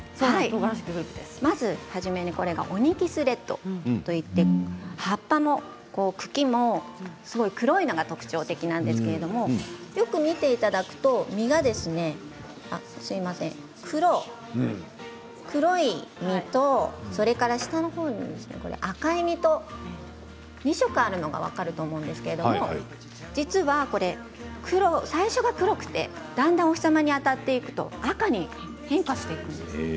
まずこれがオニキスレッドと言って葉っぱも茎もすごい黒いのが特徴的なんですけれど、よく見ていただくと実が黒い実とそれから下の方に赤い実と２色あるのが分かると思うんですけれども実はこれ、最初が黒くてお日様に当たっていくとだんだん赤に変化していくんです。